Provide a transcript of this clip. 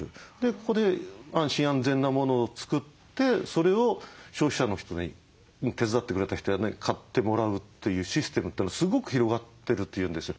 ここで安心安全なものを作ってそれを消費者の人に手伝ってくれた人や何か買ってもらうというシステムってのがすごく広がってると言うんですよ。